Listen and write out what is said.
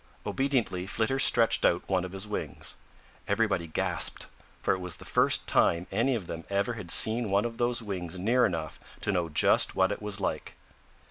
Obediently Flitter stretched out one of his wings. Everybody gasped, for it was the first time any of them ever had seen one of those wings near enough to know just what it was like.